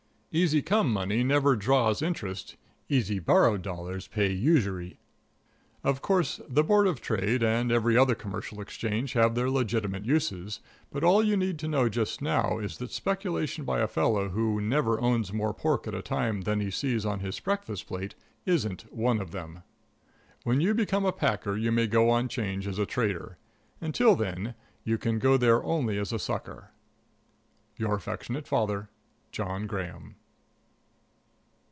Easy come money never draws interest; easy borrowed dollars pay usury. Of course, the Board of Trade and every other commercial exchange have their legitimate uses, but all you need to know just now is that speculation by a fellow who never owns more pork at a time than he sees on his breakfast plate isn't one of them. When you become a packer you may go on 'Change as a trader; until then you can go there only as a sucker. Your affectionate father, JOHN GRAHAM.